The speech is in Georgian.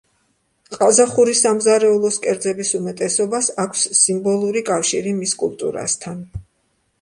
ყაზახური სამზარეულოს კერძების უმეტესობას აქვს სიმბოლური კავშირი მის კულტურასთან.